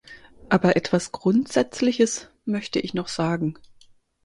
Aber etwas grundsätzliches möchte ich noch sagen.